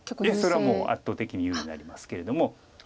それはもう圧倒的に優位になりますけれども。